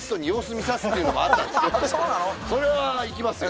それはいきますよ